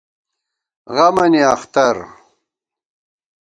غمَنی اختر